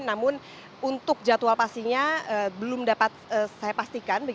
dan untuk jadwal pastinya belum dapat saya pastikan